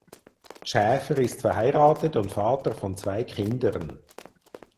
Schäfer ist verheiratet und Vater von zwei Kindern.